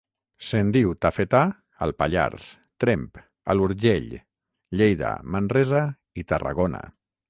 Se'n diu tafetà al Pallars, Tremp, a l'Urgell, Lleida, Manresa i Tarragona.